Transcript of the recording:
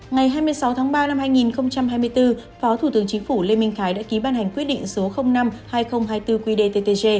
ngày hai mươi sáu tháng ba năm hai nghìn hai mươi bốn phó thủ tướng chính phủ lê minh khái đã ký ban hành quyết định số năm hai nghìn hai mươi bốn qdttg